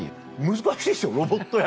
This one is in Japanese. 難しいでしょロボット役。